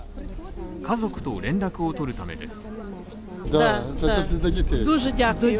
家族と連絡を取るためです。